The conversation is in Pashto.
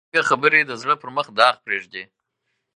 بدرنګه خبرې د زړه پر مخ داغ پرېږدي